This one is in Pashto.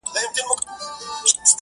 چي قاتل په غره کي ونیسي له غاره!.